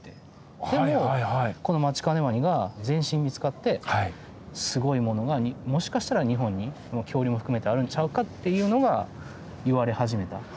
でもこのマチカネワニが全身見つかってすごいものがもしかしたら日本に恐竜も含めてあるんちゃうかっていうのが言われ始めた。